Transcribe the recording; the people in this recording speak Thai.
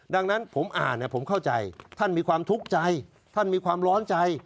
ดังนั้นผมอ่านผมเข้าใจท่านมีความทุกข์ใจท่านมีความร้อนใจ